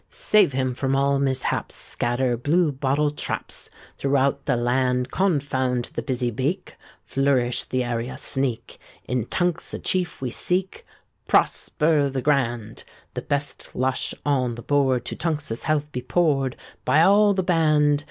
Save him from all mishaps, Scatter blue bottle traps Throughout the land Confound the busy beak, Flourish the area sneak; In Tunks a chief we seek;— Prosper the Grand! The best lush on the board To Tunks's health be poured By all the band!